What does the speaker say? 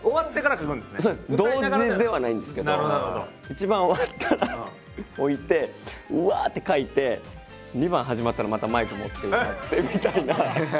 １番終わったら置いてうわって描いて２番始まったらまたマイク持って歌ってみたいな。